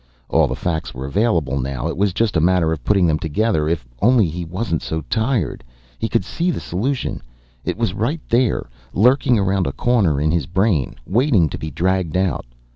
All the facts were available now, it was just a matter of putting them together. If only he wasn't so tired, he could see the solution. It was right there, lurking around a corner in his brain, waiting to be dragged out.